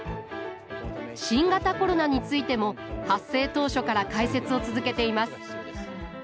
新型コロナについても発生当初から解説を続けています。